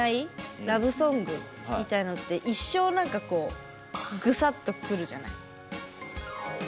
ラブソングみたいのって一生何かこうグサッとくるじゃない。